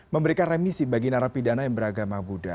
memberikan remisi bagi narapidana yang beragama buddha